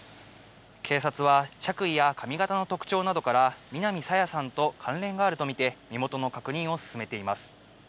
警察は着衣や髪形の特徴などから南朝芽さんと関連があると見て、身元の確認を進めています。